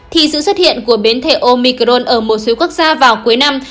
thì sự xuất hiện của biến thể omicron ở một số quốc gia vào cuối năm